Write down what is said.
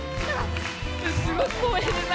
すごく光栄です。